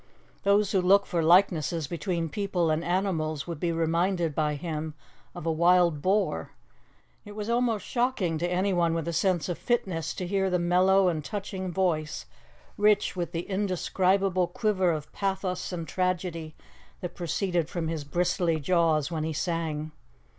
Those who look for likenesses between people and animals would be reminded by him of a wild boar; and it was almost shocking to anyone with a sense of fitness to hear the mellow and touching voice, rich with the indescribable quiver of pathos and tragedy, that proceeded from his bristly jaws when he sang.